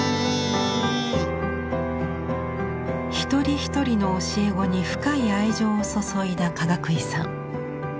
一人一人の教え子に深い愛情を注いだかがくいさん。